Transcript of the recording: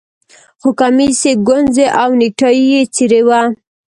خو کمیس یې ګونځې او نیکټايي یې څیرې وه